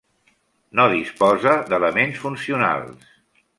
No disposa d'elements funcionals.